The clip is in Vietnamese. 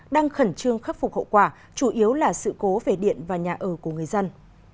đang khẩn trương khắc phục hậu quả chủ yếu là sự cố về điện và nhà ở của người dân